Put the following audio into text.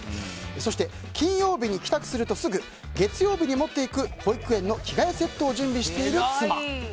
そして、金曜日に帰宅するとすぐ月曜日に持っていく保育園の着替えセットを準備している妻。